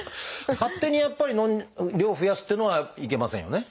勝手にやっぱり量を増やすっていうのはいけませんよね？